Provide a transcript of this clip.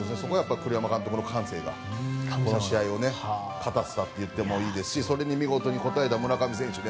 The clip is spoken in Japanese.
栗山監督の感性がこの試合を勝たせたといってもいいですしそれに見事に応えた村上選手。